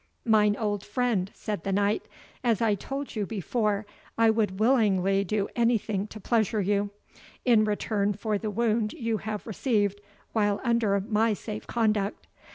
"Mine old friend," said the Knight, "as I told you before, I would willingly do anything to pleasure you, in return for the wound you have received while under my safe conduct.